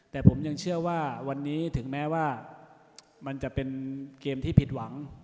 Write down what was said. แต่ผมยังเชื่อว่าวันนี้ถึงแม้ว่ามันจะเป็นเกมที่ผิดหวัง